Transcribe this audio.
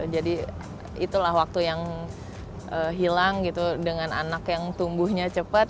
jadi itulah waktu yang hilang dengan anak yang tumbuhnya cepat